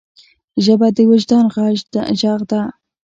ژبه د وجدان ږغ ده.